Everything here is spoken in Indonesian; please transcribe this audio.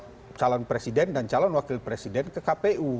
jadi saya pikir bahwa calon presiden dan calon wakil presiden ke kpu